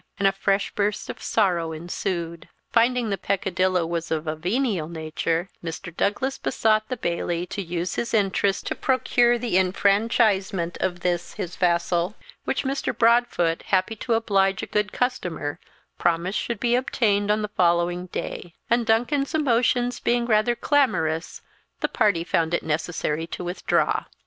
And a fresh burst of sorrow ensued. Finding the peccadillo was of a venial nature, Mr. Douglas besought the Bailie to us his interest to procure the enfranchisement of this his vassal, which Mr. Broadfoot, happy to oblige a good customer, promised should be obtained on the following day; and Duncan's emotions being rather clamorous, the party found it necessary to withdraw.